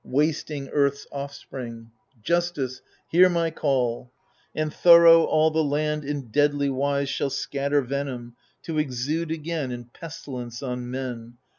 Wasting Earth's offspring, — ^Justice, hear my call I— And thorough all the land in deadly wise Shall scatter venom, to exude again In pestilence on men.